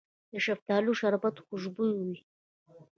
د شفتالو شربت خوشبويه وي.